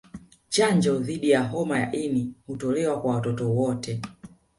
Chanjo dhidi ya homa ya ini hutolewa kwa watoto wote